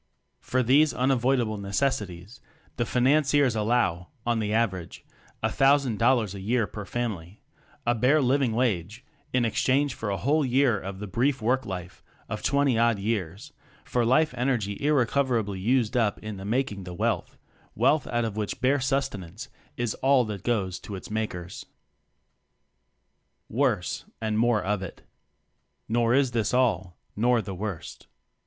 , F L these unavoidable necessities Financiers" allow, on an average thousand dollars a year per family bare living wage" in exchange for a whole year of the brief work life (of twenty odd years), for life energy irrecoverably used up in making the wealth; wealth out of which bare sus tenance is all that goes to its Makers. Worse and More of It. Nor is this all, nor the worst.